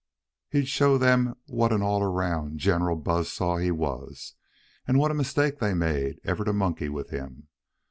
He'd show them what an all around general buzz saw he was and what a mistake they'd made ever to monkey with him.